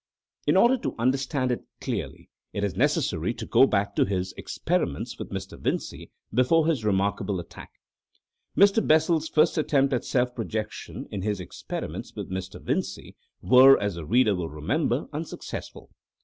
In order to understand it clearly it is necessary to go back to his experiments with Mr. Vincey before his remarkable attack. Mr. Bessel's first attempts at self projection, in his experiments with Mr. Vincey, were, as the reader will remember, unsuccessful.